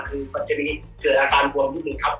คือก่อนจะมีเกิดอาการบวมนิดนึงครับ